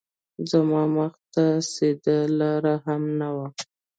زما مخ ته سیده لار هم نه وه